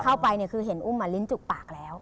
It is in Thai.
เข้าไปเนี่ยคือเห็นอุ้มลิ้นจุกปากแล้ว